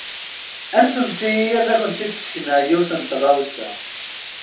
Anfemt-iyi ad kent-id-sekneɣ yiwet n tɣawsa.